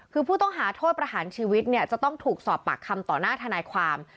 คือผู้ต้องหาโทษประหารชีวิตเนี่ยจะต้องถูกสอบปากคำต่อหน้าทนายความ